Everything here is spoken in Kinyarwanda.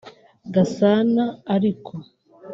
Gasana ariko